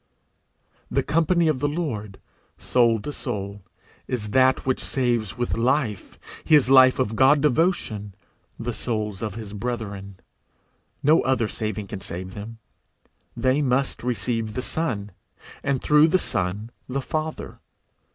The company of the Lord, soul to soul, is that which saves with life, his life of God devotion, the souls of his brethren. No other saving can save them. They must receive the Son, and through the Son the Father.